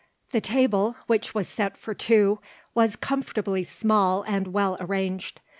The table, which was set for two, was comfortably small and well arranged.